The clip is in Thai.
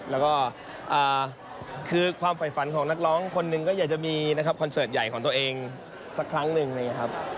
แล้วก็คือความฝ่ายฝันของนักร้องคนหนึ่งก็อยากจะมีนะครับคอนเสิร์ตใหญ่ของตัวเองสักครั้งหนึ่งอะไรอย่างนี้ครับ